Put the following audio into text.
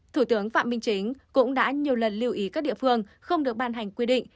thủ tướng phạm minh chính cũng đã nhiều lần lưu ý các địa phương không được ban hành quy định